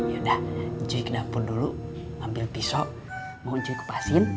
yaudah cuy ke dapur dulu ambil pisok mau cuy kupasin